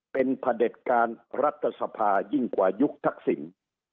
เป็นพระเด็จการรัฐสภายิ่งกว่ายุคทักษิณ